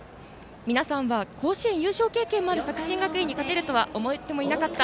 皆さんは、甲子園優勝経験もある作新学院に勝てるとは思ってもいなかった。